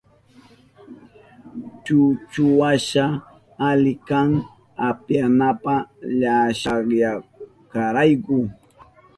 Chuchuwasha ali kan upyanapa llashayashkarayku.